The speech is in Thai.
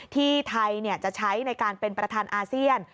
ที่ไทยจะใช้ในการเป็นประธานอาเซียน